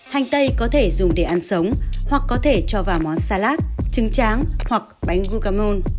hành tây có thể dùng để ăn sống hoặc có thể cho vào món salat trứng tráng hoặc bánh rugamon